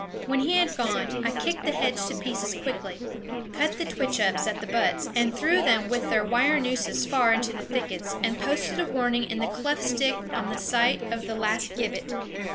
When he had gone I kicked the hedge to pieces quickly, cut the twitch ups at the butts and threw them with their wire nooses far into the thickets, and posted a warning in a cleft stick on the site of the last gibbet.